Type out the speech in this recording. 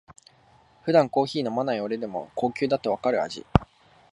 普段コーヒー飲まない俺でも高級だとわかる味